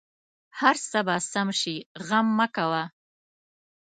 هر څه به سم شې غم مه کوه